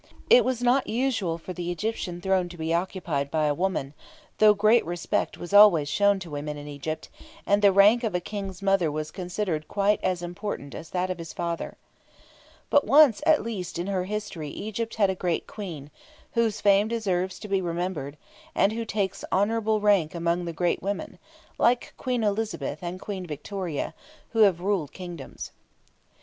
It was not usual for the Egyptian throne to be occupied by a woman, though great respect was always shown to women in Egypt, and the rank of a King's mother was considered quite as important as that of his father. But once at least in her history Egypt had a great Queen, whose fame deserves to be remembered, and who takes honourable rank among the great women, like Queen Elizabeth and Queen Victoria, who have ruled kingdoms.